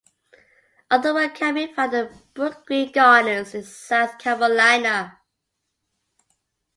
Other work can be found at Brookgreen Gardens in South Carolina.